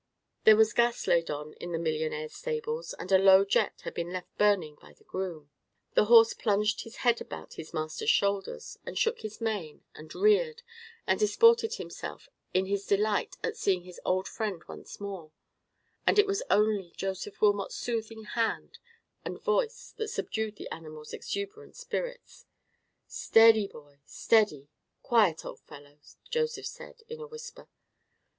There was gas laid on in the millionaire's stables, and a low jet had been left burning by the groom. The horse plunged his head about his master's shoulders, and shook his mane, and reared, and disported himself in his delight at seeing his old friend once more, and it was only Joseph Wilmot's soothing hand and voice that subdued the animal's exuberant spirits. "Steady, boy, steady! quiet, old fellow!" Joseph said, in a whisper.